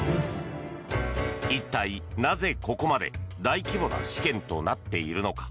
一体なぜここまで大規模な試験となっているのか。